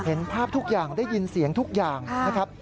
เห็นภาพทุกอย่างได้ยินเสียงทุกอย่างนะครับ